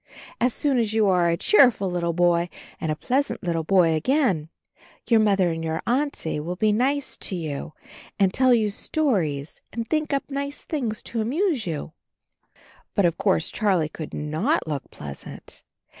As soon as you are a cheerful little boy and a pleasant little boy again, your Mother and your Auntie will be nice to you and tell you AND HIS KITTEN TOPSY 55 stories and think up nice things to amuse you/' But of course Charlie could not look pleas ant.